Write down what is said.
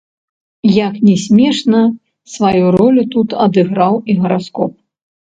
Як ні смешна, сваю ролю тут адыграў і гараскоп.